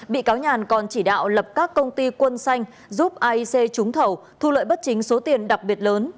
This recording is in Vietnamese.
bị cáo nhàn còn chỉ đạo lập các công ty quân xanh giúp aic trúng thầu thu lợi bất chính số tiền đặc biệt lớn